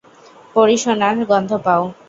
পরীসোনার গন্ধ পাও।